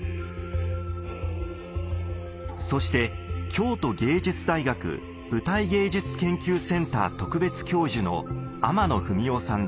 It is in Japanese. そして京都芸術大学舞台芸術研究センター特別教授の天野文雄さんです。